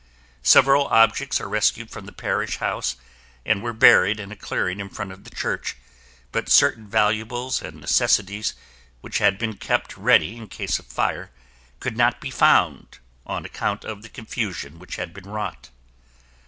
Several objects are rescued from the Parish House and were buried in a clearing in front of the Church, but certain valuables and necessities which had been kept ready in case of fire could not be found on account of the confusion which had been wrought.